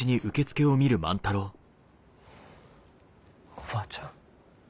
おばあちゃん。